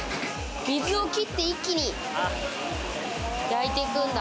水を切って、一気に焼いてくんだ。